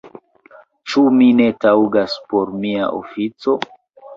Ĉu mi ne taŭgas por mia ofico?